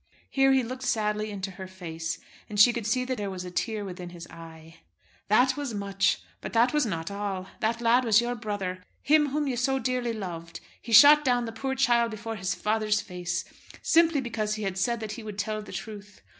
Here he looked sadly into her face, and she could see that there was a tear within his eye. "That was much, but that was not all. That lad was your brother, him whom you so dearly loved. He shot down the poor child before his father's face, simply because he had said that he would tell the truth.